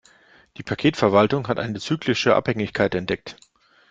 Die Paketverwaltung hat eine zyklische Abhängigkeit entdeckt.